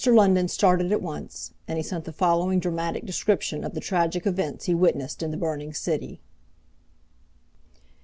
London started at once, and he sent the following dramatic description of the tragic events he witnessed in the burning city.